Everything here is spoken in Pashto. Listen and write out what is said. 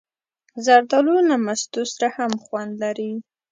زردالو له مستو سره هم خوند لري.